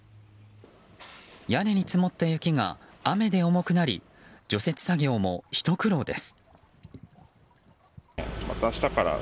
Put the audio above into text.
屋根に積もった雪が雨で重くなり除雪作業もひと苦労です。